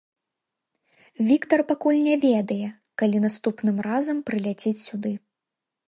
Віктар пакуль не ведае, калі наступным разам прыляціць сюды.